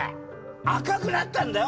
赤くなったんだよ